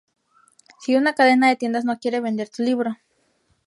Si una cadena de tiendas no quiere vender tu libro